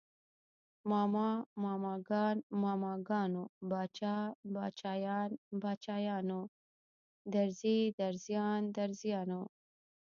ماما، ماماګان، ماماګانو، باچا، باچايان، باچايانو، درزي، درزيان، درزیانو